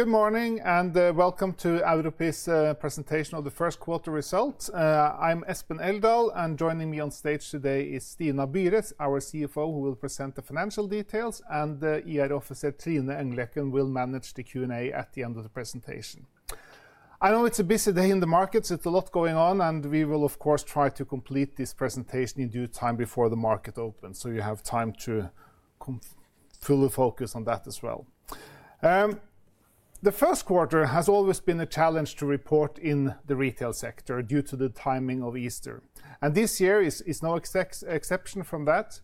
Good morning and welcome to the Europris presentation of the first quarter results. I'm Espen Eldal, and joining me on stage today is Stina Byre, our CFO, who will present the financial details, and Officer Trine Engløkken will manage the Q&A at the end of the presentation. I know it's a busy day in the markets, it's a lot going on, and we will, of course, try to complete this presentation in due time before the market opens, so you have time to fully focus on that as well. The first quarter has always been a challenge to report in the retail sector due to the timing of Easter, and this year is no exception from that.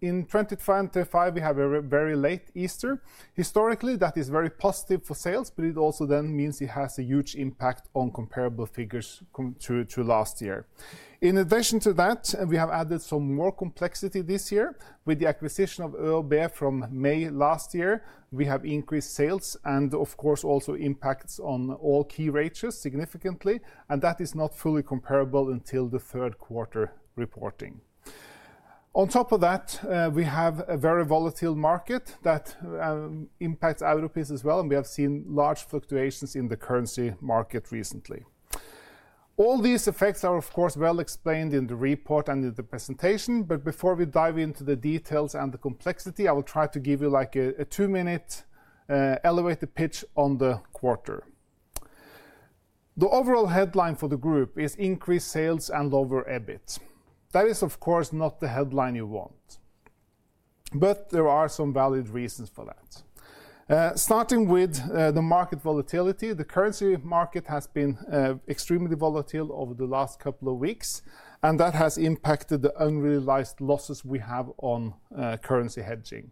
In 2025, we have a very late Easter. Historically, that is very positive for sales, but it also then means it has a huge impact on comparable figures to last year. In addition to that, we have added some more complexity this year with the acquisition of ÖoB from May last year. We have increased sales and, of course, also impacts on all key ratios significantly, and that is not fully comparable until the third quarter reporting. On top of that, we have a very volatile market that impacts Europris as well, and we have seen large fluctuations in the currency market recently. All these effects are, of course, well explained in the report and in the presentation, but before we dive into the details and the complexity, I will try to give you like a two-minute elevated pitch on the quarter. The overall headline for the group is "Increased Sales and Lower EBIT." That is, of course, not the headline you want, but there are some valid reasons for that. Starting with the market volatility, the currency market has been extremely volatile over the last couple of weeks, and that has impacted the unrealized losses we have on currency hedging.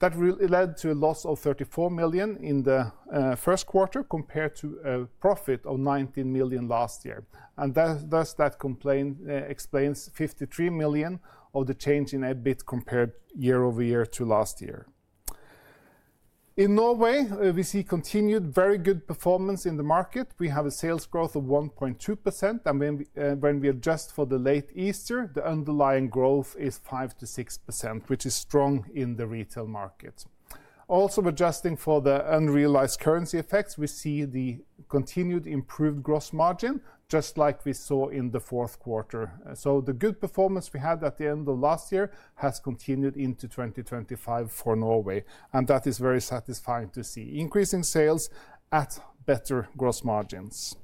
That led to a loss of 34 million in the first quarter compared to a profit of 19 million last year, and thus that explains 53 million of the change in EBIT compared year over year to last year. In Norway, we see continued very good performance in the market. We have a sales growth of 1.2%, and when we adjust for the late Easter, the underlying growth is 5-6%, which is strong in the retail market. Also, adjusting for the unrealized currency effects, we see the continued improved gross margin, just like we saw in the fourth quarter. The good performance we had at the end of last year has continued into 2025 for Norway, and that is very satisfying to see increasing sales at better gross margins.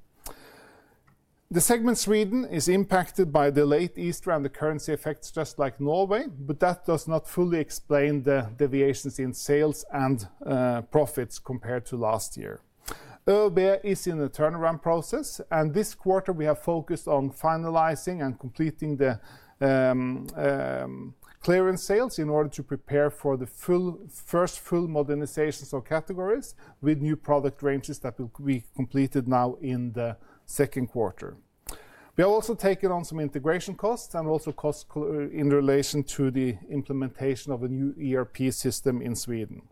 The segment Sweden is impacted by the late Easter and the currency effects, just like Norway, but that does not fully explain the deviations in sales and profits compared to last year. ÖoB is in a turnaround process, and this quarter we have focused on finalizing and completing the clearance sales in order to prepare for the first full modernizations of categories with new product ranges that will be completed now in the second quarter. We have also taken on some integration costs and also costs in relation to the implementation of a new ERP system in Sweden.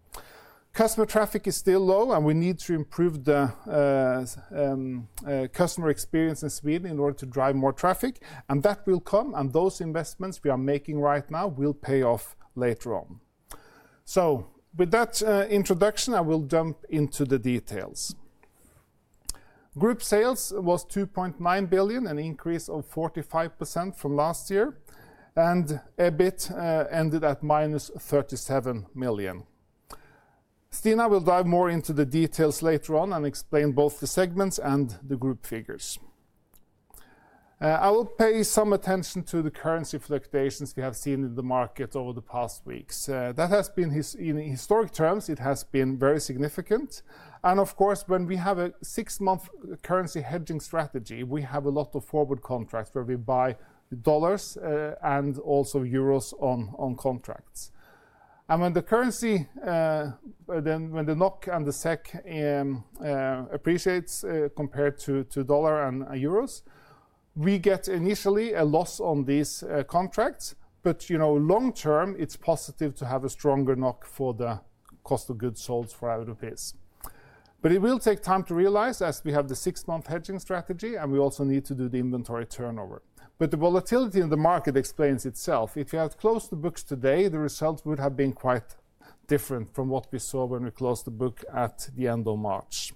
Customer traffic is still low, and we need to improve the customer experience in Sweden in order to drive more traffic, and that will come, and those investments we are making right now will pay off later on. With that introduction, I will jump into the details. Group sales was 2.9 billion, an increase of 45% from last year, and EBIT ended at minus 37 million. Stina will dive more into the details later on and explain both the segments and the group figures. I will pay some attention to the currency fluctuations we have seen in the market over the past weeks. That has been, in historic terms, it has been very significant, and of course, when we have a six-month currency hedging strategy, we have a lot of forward contracts where we buy dollars and also euros on contracts. When the currency, then when the NOK and the SEK appreciate compared to dollar and euros, we get initially a loss on these contracts, but you know, long-term, it's positive to have a stronger NOK for the cost of goods sold for Europris. It will take time to realize as we have the six-month hedging strategy, and we also need to do the inventory turnover. The volatility in the market explains itself. If you had closed the books today, the results would have been quite different from what we saw when we closed the book at the end of March.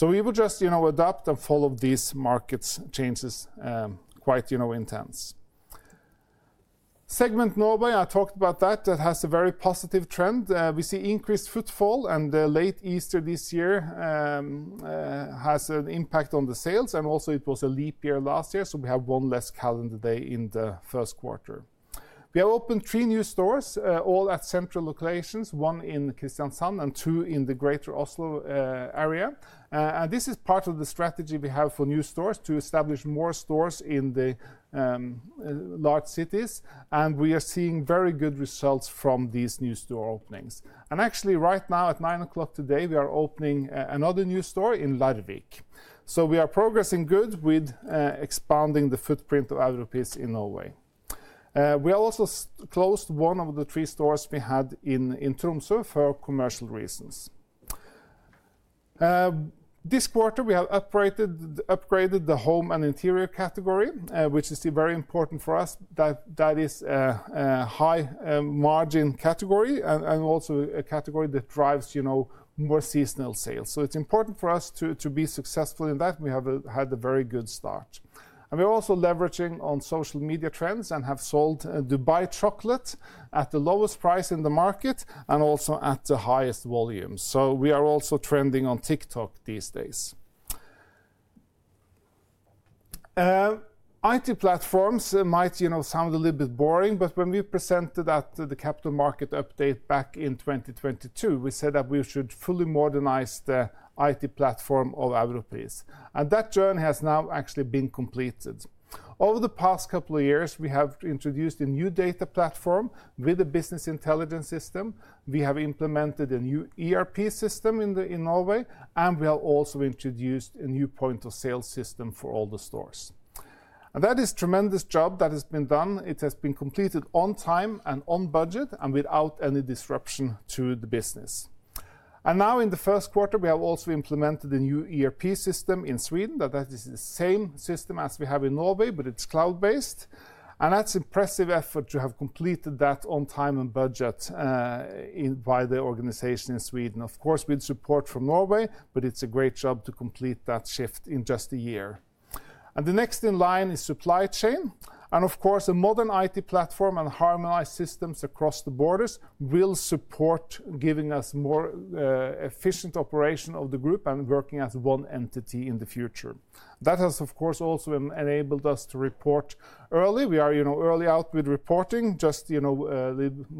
We will just, you know, adapt and follow these market changes quite, you know, intense. Segment Norway, I talked about that, that has a very positive trend. We see increased footfall, and the late Easter this year has an impact on the sales, and also it was a leap year last year, so we have one less calendar day in the first quarter. We have opened three new stores, all at central locations, one in Kristiansand and two in the greater Oslo area, and this is part of the strategy we have for new stores to establish more stores in the large cities, and we are seeing very good results from these new store openings. Actually, right now at 9:00 A.M. today, we are opening another new store in Larvik. We are progressing good with expanding the footprint of Europris in Norway. We have also closed one of the three stores we had in Tromsø for commercial reasons. This quarter, we have upgraded the home and interior category, which is very important for us. That is a high margin category and also a category that drives, you know, more seasonal sales. It is important for us to be successful in that. We have had a very good start. We are also leveraging on social media trends and have sold Dubai chocolate at the lowest price in the market and also at the highest volume. We are also trending on TikTok these days. IT platforms might, you know, sound a little bit boring, but when we presented at the capital market update back in 2022, we said that we should fully modernize the IT platform of Europris, and that journey has now actually been completed. Over the past couple of years, we have introduced a new data platform with a business intelligence system. We have implemented a new ERP system in Norway, and we have also introduced a new point of sale system for all the stores. That is a tremendous job that has been done. It has been completed on time and on budget and without any disruption to the business. Now, in the first quarter, we have also implemented a new ERP system in Sweden. That is the same system as we have in Norway, but it is cloud-based, and that is an impressive effort to have completed that on time and budget by the organization in Sweden. Of course, with support from Norway, but it is a great job to complete that shift in just a year. The next in line is supply chain, and of course, a modern IT platform and harmonized systems across the borders will support giving us more efficient operation of the group and working as one entity in the future. That has, of course, also enabled us to report early. We are, you know, early out with reporting, just, you know, a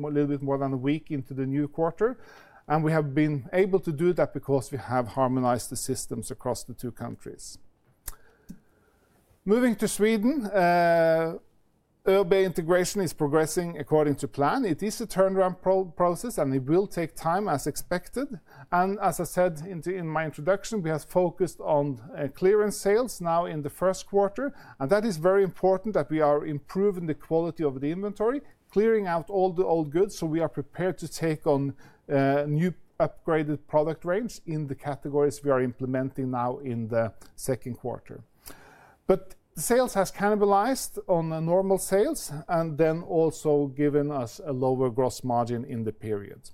little bit more than a week into the new quarter, and we have been able to do that because we have harmonized the systems across the two countries. Moving to Sweden, ÖoB integration is progressing according to plan. It is a turnaround process, and it will take time as expected. As I said in my introduction, we have focused on clearance sales now in the first quarter, and that is very important that we are improving the quality of the inventory, clearing out all the old goods so we are prepared to take on new upgraded product range in the categories we are implementing now in the second quarter. Sales has cannibalized on normal sales and then also given us a lower gross margin in the period.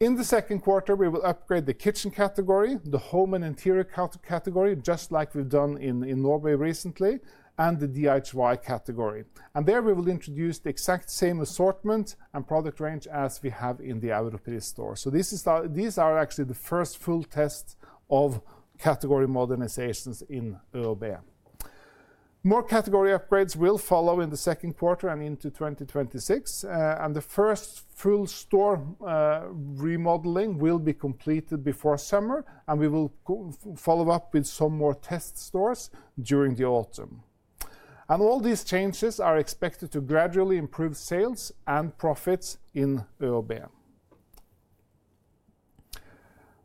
In the second quarter, we will upgrade the kitchen category, the home and interior category, just like we've done in Norway recently, and the DHY category. There we will introduce the exact same assortment and product range as we have in the Europris store. These are actually the first full tests of category modernizations in ÖoB. More category upgrades will follow in the second quarter and into 2026, and the first full store remodeling will be completed before summer. We will follow up with some more test stores during the autumn. All these changes are expected to gradually improve sales and profits in ÖoB.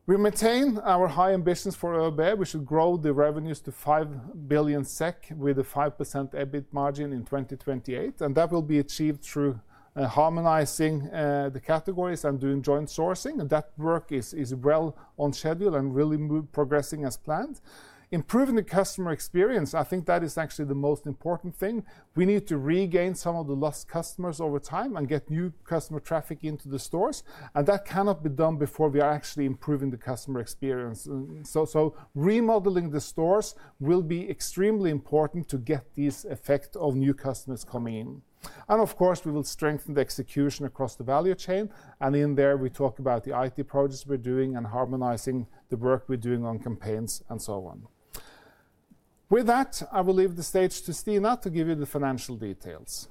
We maintain our high ambitions for ÖoB. We should grow the revenues to 5 billion SEK with a 5% EBIT margin in 2028, and that will be achieved through harmonizing the categories and doing joint sourcing, and that work is well on schedule and really progressing as planned. Improving the customer experience, I think that is actually the most important thing. We need to regain some of the lost customers over time and get new customer traffic into the stores, and that cannot be done before we are actually improving the customer experience. Remodeling the stores will be extremely important to get these effects of new customers coming in. Of course, we will strengthen the execution across the value chain, and in there we talk about the IT projects we're doing and harmonizing the work we're doing on campaigns and so on. With that, I will leave the stage to Stina to give you the financial details.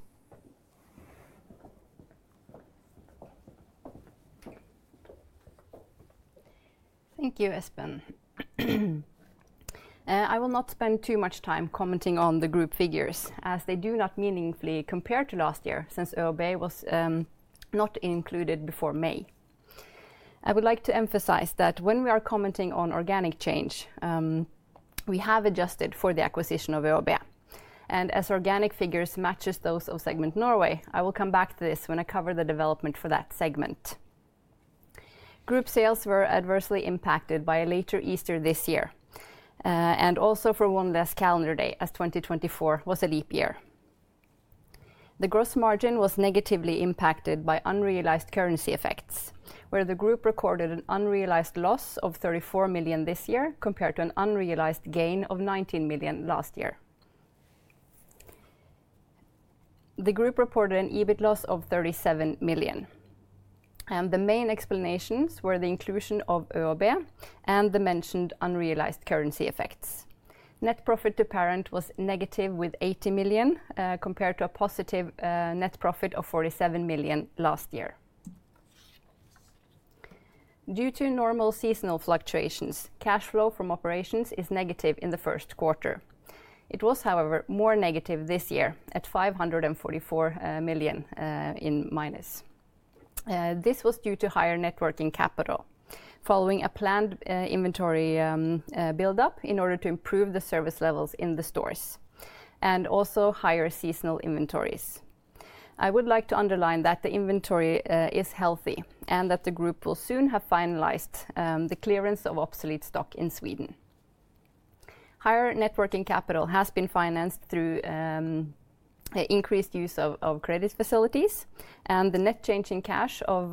Thank you, Espen. I will not spend too much time commenting on the group figures as they do not meaningfully compare to last year since ÖoB was not included before May. I would like to emphasize that when we are commenting on organic change, we have adjusted for the acquisition of ÖoB, and as organic figures match those of segment Norway, I will come back to this when I cover the development for that segment. Group sales were adversely impacted by a later Easter this year and also for one less calendar day as 2024 was a leap year. The gross margin was negatively impacted by unrealized currency effects, where the group recorded an unrealized loss of 34 million this year compared to an unrealized gain of 19 million last year. The group reported an EBIT loss of 37 million, and the main explanations were the inclusion of ÖoB and the mentioned unrealized currency effects. Net profit to parent was negative with 80 million compared to a positive net profit of 47 million last year. Due to normal seasonal fluctuations, cash flow from operations is negative in the first quarter. It was, however, more negative this year at 544 million in minus. This was due to higher net working capital following a planned inventory build-up in order to improve the service levels in the stores and also higher seasonal inventories. I would like to underline that the inventory is healthy and that the group will soon have finalized the clearance of obsolete stock in Sweden. Higher networking capital has been financed through increased use of credit facilities, and the net change in cash of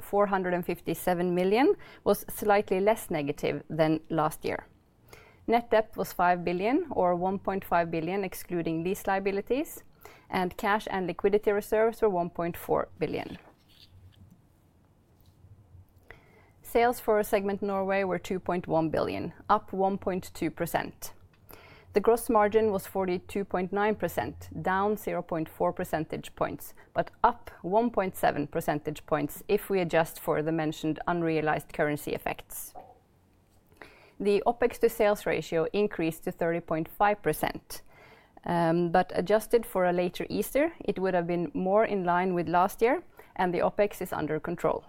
457 million was slightly less negative than last year. Net debt was 5 billion or 1.5 billion excluding lease liabilities, and cash and liquidity reserves were 1.4 billion. Sales for segment Norway were 2.1 billion, up 1.2%. The gross margin was 42.9%, down 0.4 percentage points, but up 1.7 percentage points if we adjust for the mentioned unrealized currency effects. The OPEX to sales ratio increased to 30.5%, but adjusted for a later Easter, it would have been more in line with last year, and the OPEX is under control.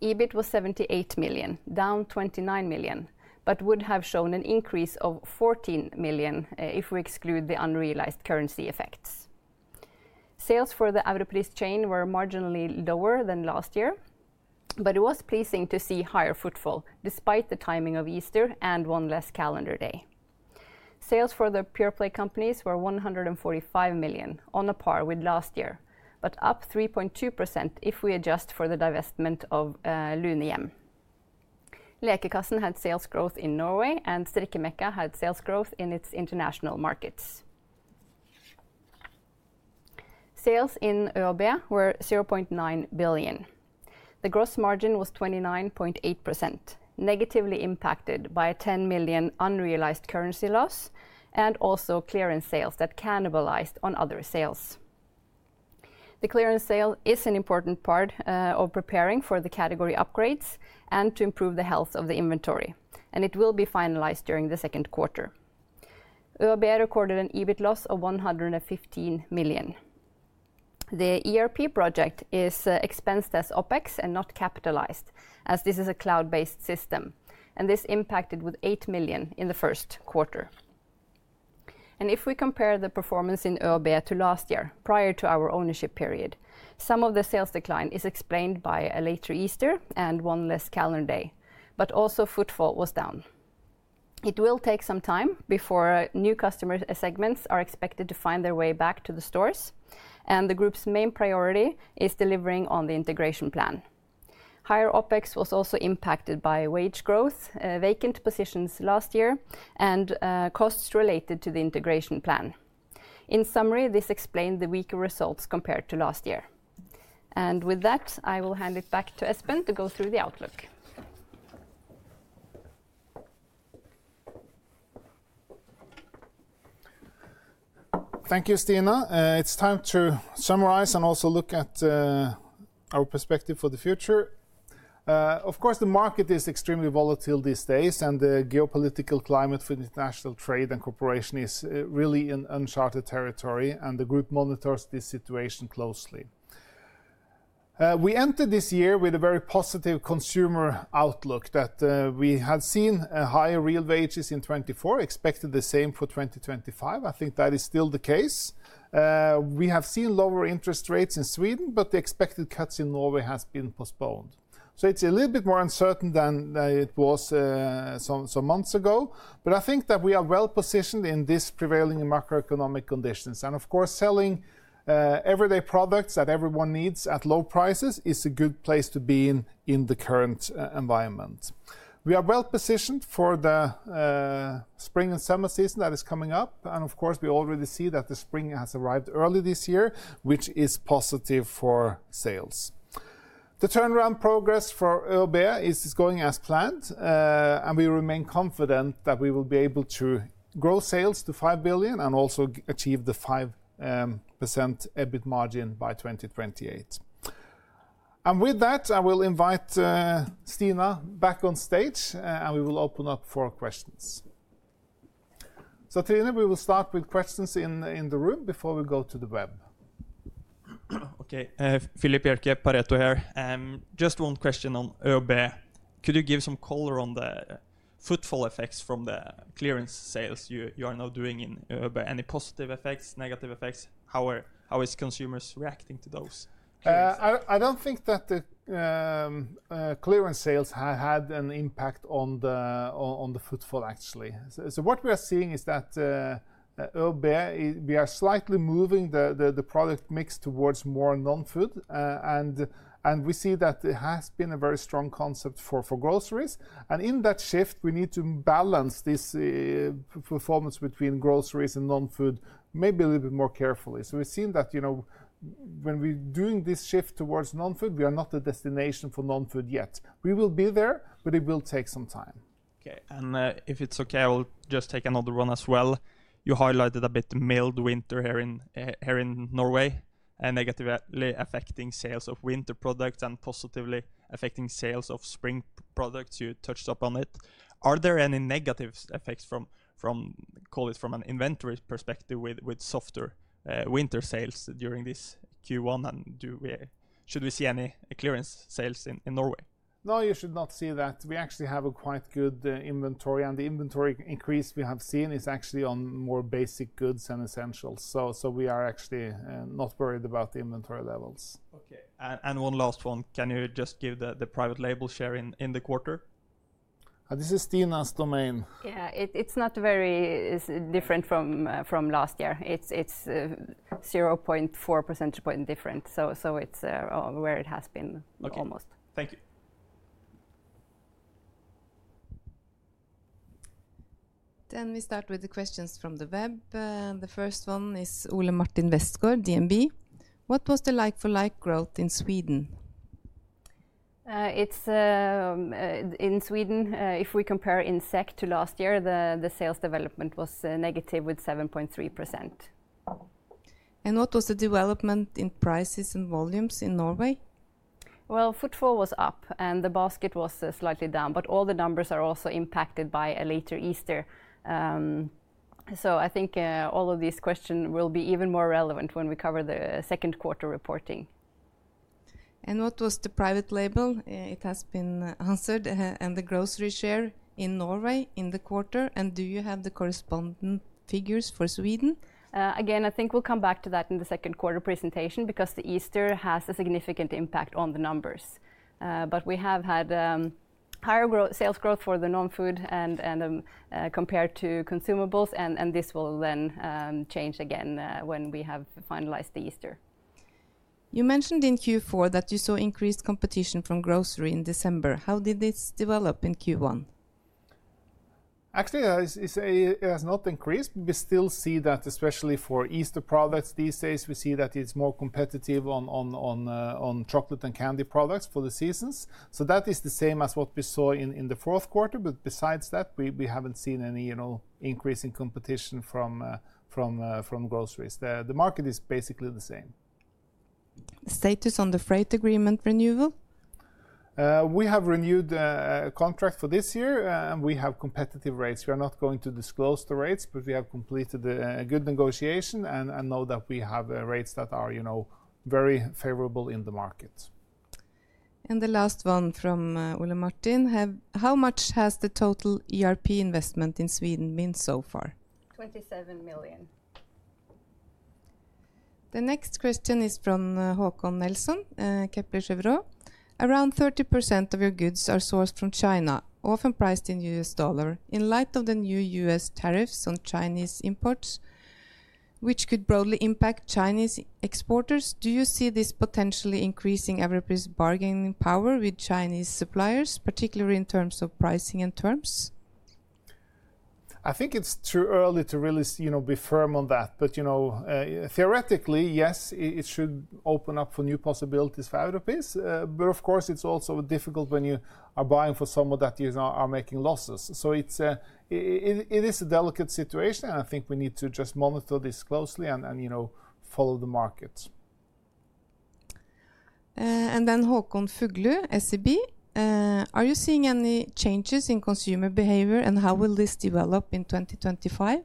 EBIT was 78 million, down 29 million, but would have shown an increase of 14 million if we exclude the unrealized currency effects. Sales for the Europris chain were marginally lower than last year, but it was pleasing to see higher footfall despite the timing of Easter and one less calendar day. Sales for the PurePlay companies were 145 million on a par with last year, but up 3.2% if we adjust for the divestment of Lunehjem. Lekekassen had sales growth in Norway, and Strikkemekka had sales growth in its international markets. Sales in ÖoB were 0.9 billion. The gross margin was 29.8%, negatively impacted by a 10 million unrealized currency loss and also clearance sales that cannibalized on other sales. The clearance sale is an important part of preparing for the category upgrades and to improve the health of the inventory, and it will be finalized during the second quarter. ÖoB recorded an EBIT loss of 115 million. The ERP project is expensed as OPEX and not capitalized as this is a cloud-based system, and this impacted with 8 million in the first quarter. If we compare the performance in ÖoB to last year prior to our ownership period, some of the sales decline is explained by a later Easter and one less calendar day, but also footfall was down. It will take some time before new customer segments are expected to find their way back to the stores, and the group's main priority is delivering on the integration plan. Higher OPEX was also impacted by wage growth, vacant positions last year, and costs related to the integration plan. In summary, this explained the weaker results compared to last year. I will hand it back to Espen to go through the outlook. Thank you, Stina. It's time to summarize and also look at our perspective for the future. Of course, the market is extremely volatile these days, and the geopolitical climate for international trade and cooperation is really in uncharted territory, and the group monitors this situation closely. We entered this year with a very positive consumer outlook that we had seen higher real wages in 2024, expected the same for 2025. I think that is still the case. We have seen lower interest rates in Sweden, but the expected cuts in Norway have been postponed. It is a little bit more uncertain than it was some months ago, but I think that we are well positioned in these prevailing macroeconomic conditions, and of course, selling everyday products that everyone needs at low prices is a good place to be in in the current environment. We are well positioned for the spring and summer season that is coming up, and of course, we already see that the spring has arrived early this year, which is positive for sales. The turnaround progress for ÖoB is going as planned, and we remain confident that we will be able to grow sales to 5 billion and also achieve the 5% EBIT margin by 2028. With that, I will invite Stina back on stage, and we will open up for questions. Trine, we will start with questions in the room before we go to the web. Okay, Phillihp Bjerke, Pareto here. Just one question on ÖoB. Could you give some color on the footfall effects from the clearance sales you are now doing in ÖoB? Any positive effects, negative effects? How are consumers reacting to those? I don't think that the clearance sales have had an impact on the footfall, actually. What we are seeing is that ÖoB, we are slightly moving the product mix towards more non-food, and we see that it has been a very strong concept for groceries. In that shift, we need to balance this performance between groceries and non-food maybe a little bit more carefully. We've seen that, you know, when we're doing this shift towards non-food, we are not a destination for non-food yet. We will be there, but it will take some time. Okay, if it's okay, I'll just take another one as well. You highlighted a bit the mild winter here in Norway and negatively affecting sales of winter products and positively affecting sales of spring products. You touched up on it. Are there any negative effects from, call it from an inventory perspective, with softer winter sales during this Q1, and should we see any clearance sales in Norway? No, you should not see that. We actually have a quite good inventory, and the inventory increase we have seen is actually on more basic goods and essentials. We are actually not worried about the inventory levels. Okay, and one last one. Can you just give the private label share in the quarter? This is Stina's domain. Yeah, it's not very different from last year. It's 0.4% different. So it's where it has been almost. Okay, thank you. We start with the questions from the web. The first one is Ole Martin Westgård, DNB. What was the like-for-like growth in Sweden? It's in Sweden, if we compare in SEK to last year, the sales development was negative with 7.3%. What was the development in prices and volumes in Norway? Footfall was up, and the basket was slightly down, but all the numbers are also impacted by a later Easter. I think all of these questions will be even more relevant when we cover the second quarter reporting. What was the private label? It has been answered. The grocery share in Norway in the quarter? Do you have the correspondent figures for Sweden? Again, I think we'll come back to that in the second quarter presentation because the Easter has a significant impact on the numbers. We have had higher sales growth for the non-food compared to consumables, and this will then change again when we have finalized the Easter. You mentioned in Q4 that you saw increased competition from grocery in December. How did this develop in Q1? Actually, it has not increased. We still see that, especially for Easter products these days, we see that it's more competitive on chocolate and candy products for the seasons. That is the same as what we saw in the fourth quarter, but besides that, we haven't seen any increase in competition from groceries. The market is basically the same. Status on the freight agreement renewal? We have renewed contract for this year, and we have competitive rates. We are not going to disclose the rates, but we have completed a good negotiation and know that we have rates that are very favorable in the market. The last one from Ole Martin. How much has the total ERP investment in Sweden been so far? 27 million. The next question is from Håkon Nilsson, Kepler Cheuvreux. Around 30% of your goods are sourced from China, often priced in US dollar. In light of the new US tariffs on Chinese imports, which could broadly impact Chinese exporters, do you see this potentially increasing Europris bargaining power with Chinese suppliers, particularly in terms of pricing and terms? I think it's too early to really be firm on that, but theoretically, yes, it should open up for new possibilities for Europris. Of course, it's also difficult when you are buying for someone that you are making losses. It is a delicate situation, and I think we need to just monitor this closely and follow the markets. Håkon Fuglu, SEB. Are you seeing any changes in consumer behavior, and how will this develop in 2025?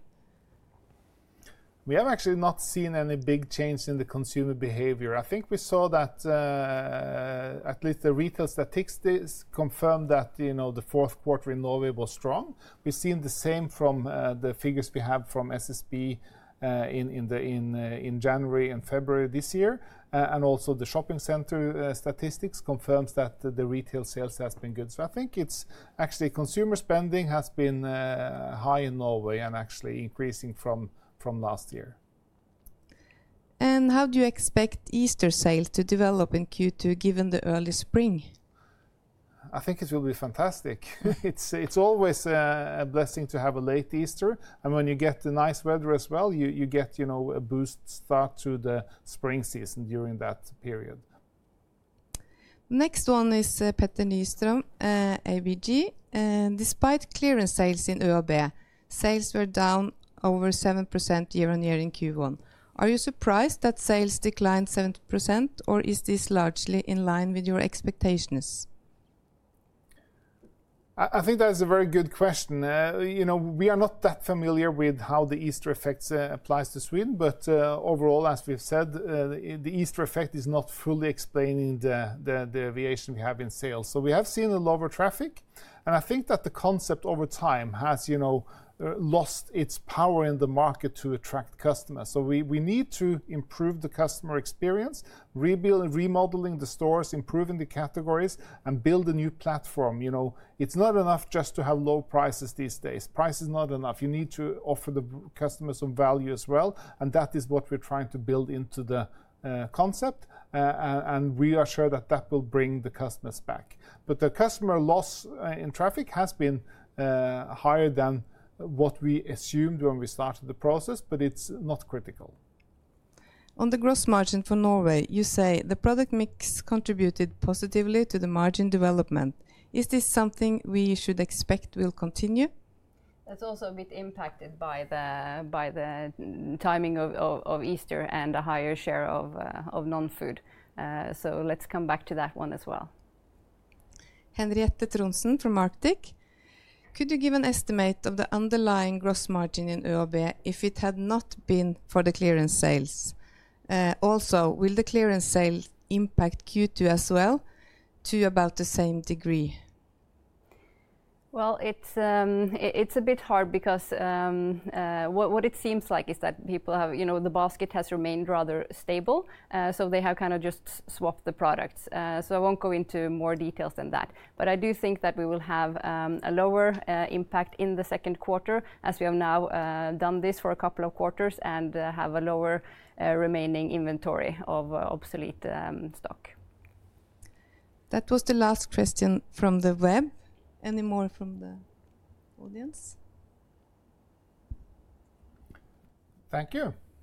We have actually not seen any big change in the consumer behavior. I think we saw that at least the retail statistics confirmed that the fourth quarter in Norway was strong. We've seen the same from the figures we have from SSB in January and February this year, and also the shopping center statistics confirms that the retail sales have been good. I think it's actually consumer spending has been high in Norway and actually increasing from last year. How do you expect Easter sales to develop in Q2 given the early spring? I think it will be fantastic. It's always a blessing to have a late Easter, and when you get the nice weather as well, you get a boost start to the spring season during that period. Next one is Petter Nyström, ABG. Despite clearance sales in ÖoB, sales were down over 7% year-on-year in Q1. Are you surprised that sales declined 7%, or is this largely in line with your expectations? I think that is a very good question. We are not that familiar with how the Easter effect applies to Sweden, but overall, as we've said, the Easter effect is not fully explaining the deviation we have in sales. We have seen a lower traffic, and I think that the concept over time has lost its power in the market to attract customers. We need to improve the customer experience, remodeling the stores, improving the categories, and build a new platform. It's not enough just to have low prices these days. Price is not enough. You need to offer the customers some value as well, and that is what we're trying to build into the concept, and we are sure that that will bring the customers back. The customer loss in traffic has been higher than what we assumed when we started the process, but it's not critical. On the gross margin for Norway, you say the product mix contributed positively to the margin development. Is this something we should expect will continue? That's also a bit impacted by the timing of Easter and a higher share of non-food. Let's come back to that one as well. Henriette Trondsen from Arctic. Could you give an estimate of the underlying gross margin in ÖoB if it had not been for the clearance sales? Also, will the clearance sales impact Q2 as well to about the same degree? It is a bit hard because what it seems like is that people have, you know, the basket has remained rather stable, so they have kind of just swapped the products. I will not go into more details than that, but I do think that we will have a lower impact in the second quarter as we have now done this for a couple of quarters and have a lower remaining inventory of obsolete stock. That was the last question from the web. Any more from the audience? Thank you.